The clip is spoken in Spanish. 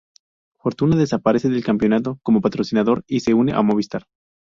Fortuna desaparece del campeonato como patrocinador y se une Movistar.